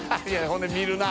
そんで見るな